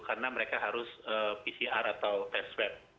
karena mereka harus pcr atau test tab